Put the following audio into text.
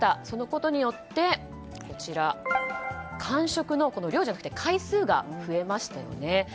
そのことによって間食の量じゃなくて回数が増えましたよね。